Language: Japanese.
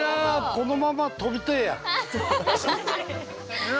◆このまま飛びてえや。